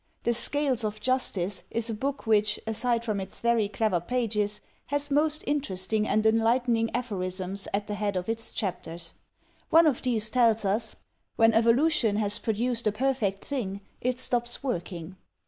" The Scales of Justice " is a book which, aside from its very clever pages, has most interesting and enlightening aphorisms at the head of its chapters. One of these tells us "When evolution has produced a perfect thing, it stops working.